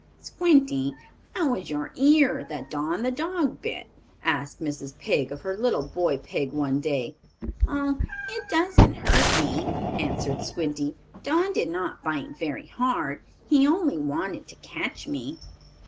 "Squinty, how is your ear that Don, the dog, bit?" asked Mrs. Pig of her little boy pig one day. "Oh, it doesn't hurt me," answered Squinty. "Don did not bite very hard. He only wanted to catch me."